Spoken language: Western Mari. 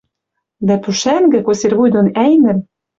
дӓ пушӓнгӹ, косир вуй дон ӓйӹнӹл